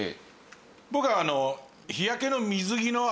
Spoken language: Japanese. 僕はあの。